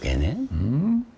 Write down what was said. うん？